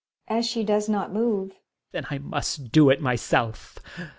[Aa she does not move] Then I must do it myself